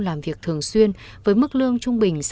làm việc thường xuyên với mức lương trung bình